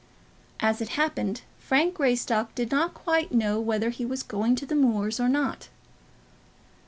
As it happened, Frank Greystock did not quite know whether he was going to the moors or not.